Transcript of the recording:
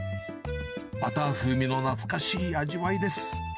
バター風味の懐かしい味わいです。